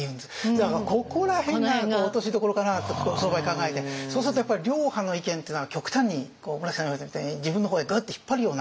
だからここら辺が落としどころかなとその場合考えてそうするとやっぱり両派の意見っていうのが極端に村木さんが言われたみたいに自分の方へグッと引っ張るような意見。